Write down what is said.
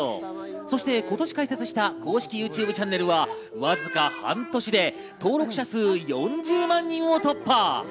そして今年開設した公式ＹｏｕＴｕｂｅチャンネルはわずか半年で登録者数４０万人を突破。